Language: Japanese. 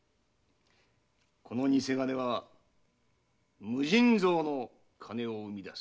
この偽金は無尽蔵の金を生み出す。